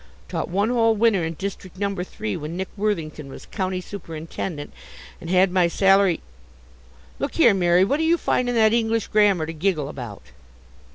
Taught one whole winter in district number three when Nick Worthington was county superintendent, and had my salary look here, Mary, what do you find in that English grammar to giggle about?